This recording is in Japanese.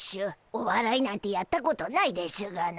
おわらいなんてやったことないでしゅがな。